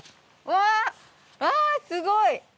わあすごい！